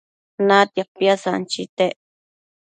Natia piasanchitec